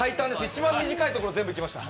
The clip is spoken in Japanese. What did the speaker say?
一番短いところ全部いきました。